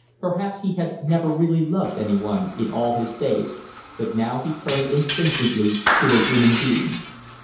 Perhaps he had never really loved anyone in all his days, but now he turned instinctively to a human being.